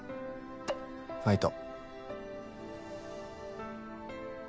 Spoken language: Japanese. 「ファイト」。